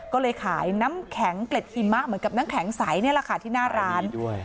ก็เลยขายน้ำแข็งเกล็ดหิมะเหมือนกับน้ำแข็งใสนี่แหละค่ะที่หน้าร้านด้วย